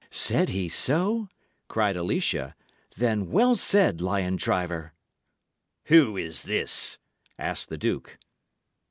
"Said he so?" cried Alicia. "Then well said, lion driver!" "Who is this?" asked the duke.